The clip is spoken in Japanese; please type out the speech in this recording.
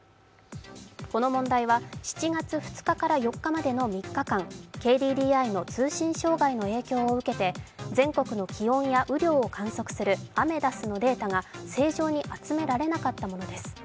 この問題は７月２日から４日までの３日間、ＫＤＤＩの通信障害の影響を受けて全国の気温や雨量を観測するアメダスのデータが正常に集められなかったものです。